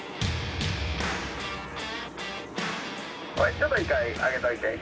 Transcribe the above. ちょっと１回上げといて。